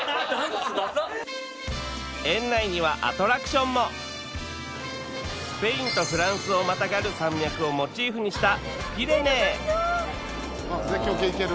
園内にはアトラクションもスペインとフランスをまたがる山脈をモチーフにしたピレネー絶叫系いける？